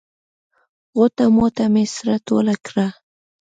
غوټه موټه مې سره ټوله کړه.